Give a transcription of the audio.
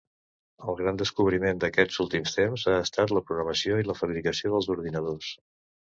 El gran descobriment d'aquests últims temps ha estat la programació i la fabricació dels ordinadors.